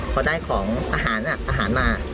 พอได้ของอาหารอาหารมา